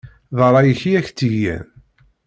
D rray-ik i ak-tt-igan!